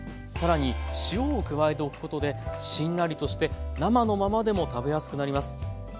更に塩を加えておくことでしんなりとして生のままでも食べやすくなります。